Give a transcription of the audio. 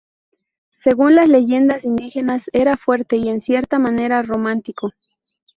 Según las leyendas indígenas era fuerte y en cierta manera romántico.